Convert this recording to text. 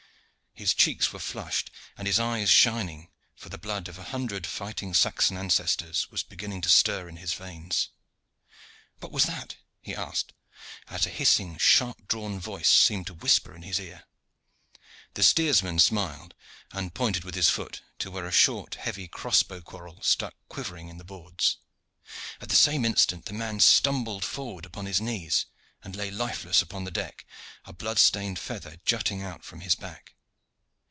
His cheeks were flushed and his eyes shining, for the blood of a hundred fighting Saxon ancestors was beginning to stir in his veins. "What was that?" he asked, as a hissing, sharp drawn voice seemed to whisper in his ear. The steersman smiled, and pointed with his foot to where a short heavy cross bow quarrel stuck quivering in the boards. At the same instant the man stumbled forward upon his knees, and lay lifeless upon the deck, a blood stained feather jutting out from his back.